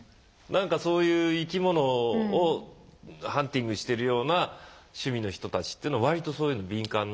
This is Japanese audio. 何かそういう生き物をハンティングしてるような趣味の人たちというのは割とそういうの敏感になるのかなって。